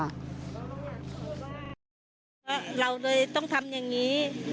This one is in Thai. เราเลยต้องทำอย่างนี้